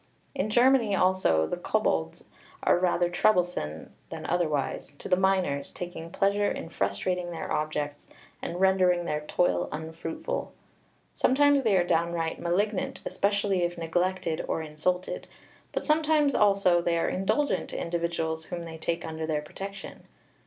In Germany also the kobolds are rather troublesome than otherwise, to the miners, taking pleasure in frustrating their objects, and rendering their toil unfruitful. Sometimes they are downright malignant, especially if neglected or insulted, but sometimes also they are indulgent to individuals whom they take under their protection.